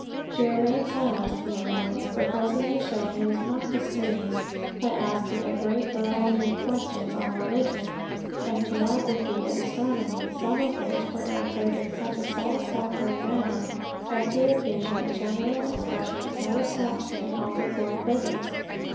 He remained silent a few moments, but presently showed he was not displeased, by asking a great variety of questions on religion, and geography and astronomy, some of which were answered in such a satisfactory manner, as to occasion a general expression of satisfaction in all the court present.